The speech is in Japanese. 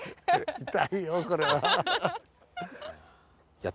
痛いよこれは。えっ！